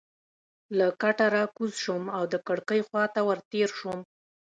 له کټه راکوز شوم او د کړکۍ خوا ته ورتېر شوم.